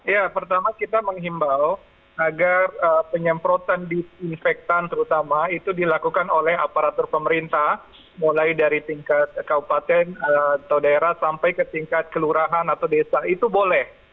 ya pertama kita menghimbau agar penyemprotan disinfektan terutama itu dilakukan oleh aparatur pemerintah mulai dari tingkat kabupaten atau daerah sampai ke tingkat kelurahan atau desa itu boleh